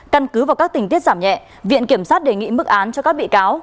căn cứ vào các tình tiết giảm nhẹ viện kiểm sát đề nghị mức án cho các bị cáo